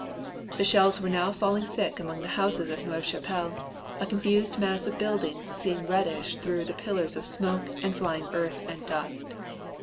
"The shells were now falling thick among the houses of Neuve Chapelle, a confused mass of buildings seen reddish through the pillars of smoke and flying earth and dust.